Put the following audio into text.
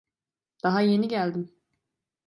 Daha yeni geldim.